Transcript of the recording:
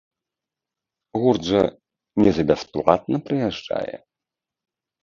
Гурт жа не за бясплатна прыязджае!